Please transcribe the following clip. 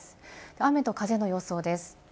雨と風の予想です。